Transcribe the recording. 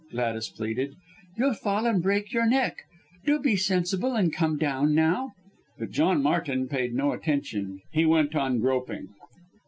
Gladys pleaded, "you'll fall and break your neck. Do be sensible and come down now." But John Martin paid no attention, he went on groping.